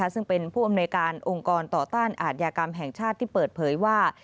ซึ่งเป็นผู้อำนวยการองค์กรต่อต้านอาทยากรรมแห่งชาติที่เปิดเผยว่า